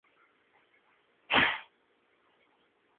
Tianjin ha sido durante mucho tiempo una ciudad comercial importante.